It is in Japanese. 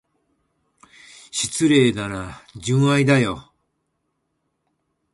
失礼だな、純愛だよ。